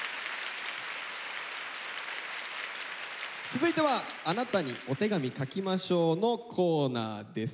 続いては「あなたにお手紙書きましょう」のコーナーです。